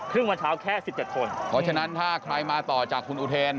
เมื่อเช้าแค่๑๗คนเพราะฉะนั้นถ้าใครมาต่อจากคุณอุเทน